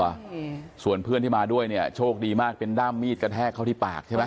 อืมส่วนเพื่อนที่มาด้วยเนี่ยโชคดีมากเป็นด้ามมีดกระแทกเข้าที่ปากใช่ไหม